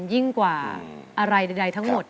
ยิ่งกว่าอะไรใดทั้งหมด